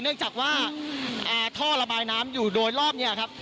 เนื่องจากว่าท่อระบายน้ำอยู่โดยรอบเนี่ยครับ